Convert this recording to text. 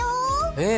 えっ？